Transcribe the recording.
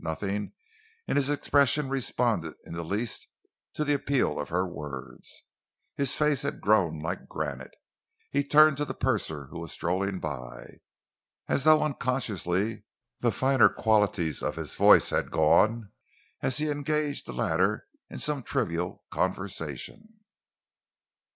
Nothing in his expression responded in the least to the appeal of her words. His face had grown like granite. He turned to the purser, who was strolling by. As though unconsciously, the finer qualities of his voice had gone as he engaged the latter in some trivial conversation.